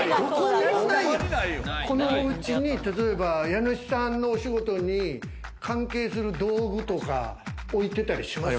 このおうちに、例えば家主さんの仕事に関係する道具とか、置いてたりしますか？